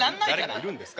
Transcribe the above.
誰かいるんですか？